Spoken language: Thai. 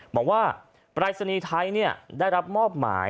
บอกว่าปรายศนีย์ไทยได้รับมอบหมาย